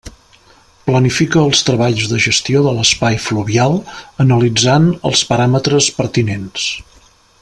Planifica els treballs de gestió de l'espai fluvial, analitzant els paràmetres pertinents.